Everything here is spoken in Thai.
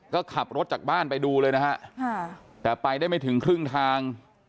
ก็ขับรถจากบ้านไปดูเลยนะฮะแต่ไปได้ไม่ถึงครึ่งทาง